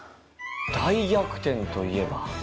大逆転といえば。